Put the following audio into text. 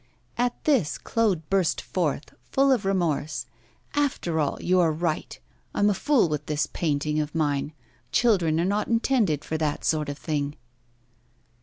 At this Claude burst forth, full of remorse: 'After all! you are right; I'm a fool with this painting of mine. Children are not intended for that sort of thing.